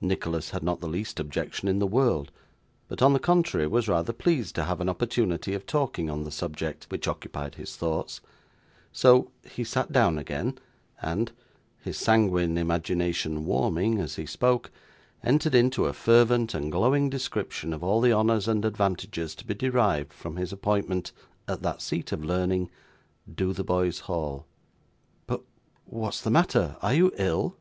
Nicholas had not the least objection in the world, but on the contrary was rather pleased to have an opportunity of talking on the subject which occupied his thoughts; so, he sat down again, and (his sanguine imagination warming as he spoke) entered into a fervent and glowing description of all the honours and advantages to be derived from his appointment at that seat of learning, Dotheboys Hall. 'But, what's the matter are you ill?